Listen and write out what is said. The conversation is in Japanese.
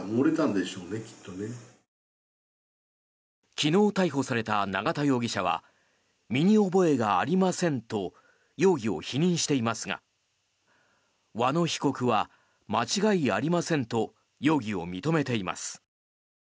昨日逮捕された永田容疑者は身に覚えがありませんと容疑を否認していますが和野被告は間違いありませんと容疑を認めています。